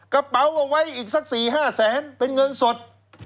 กระเป๋าเอาไว้อีกสัก๔๕แสนเป็นเงินสด